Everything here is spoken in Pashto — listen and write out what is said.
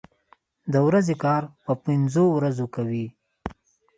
د ورځې کار په پنځو ورځو کوي.